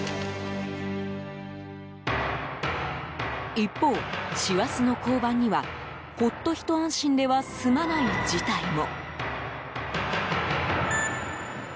一方、師走の交番にはほっとひと安心では済まない事態も。